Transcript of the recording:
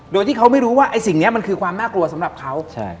โดยที่เขาไม่รู้ว่าไอ้สิ่งนี้มันคือความน่ากลัวสำหรับเขา